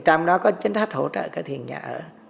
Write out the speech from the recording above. trong đó có chính sách hỗ trợ thiền nhà ở